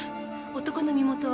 男の身元は？